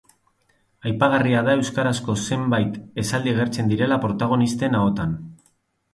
Aipagarria da euskarazko zenbait esaldi agertzen direla protagonisten ahotan.